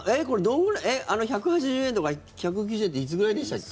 あの１８０円とか１９０円っていつぐらいでしたっけ？